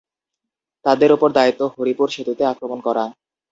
তাদের ওপর দায়িত্ব হরিপুর সেতুতে আক্রমণ করা।